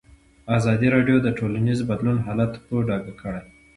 ازادي راډیو د ټولنیز بدلون حالت په ډاګه کړی.